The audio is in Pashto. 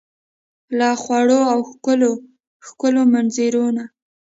له خوړو او ښکلو ، ښکلو منظرو نه